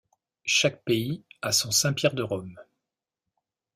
Chaque pays a son Saint-Pierre de Rome.